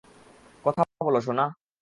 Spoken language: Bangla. কথা বল সোনা!